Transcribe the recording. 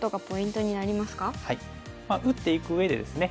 打っていく上でですね